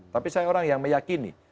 tapi saya orang yang meyakini